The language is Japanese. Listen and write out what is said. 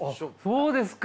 そうですか。